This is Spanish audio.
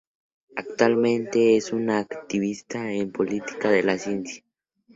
Actualmente es un activista en política de la ciencia.